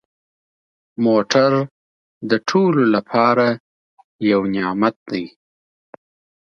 موټر د ټولو لپاره یو نعمت دی.